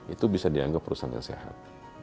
itu bisa dianggap perusahaan yang sehat